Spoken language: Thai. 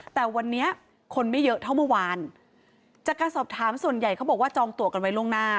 แต่วันนี้คนไม่เยอะเท่าเมื่อวานจากการสอบถามส่วนใหญ่เขาบอกว่าจองตัวกันไว้ล่วงหน้า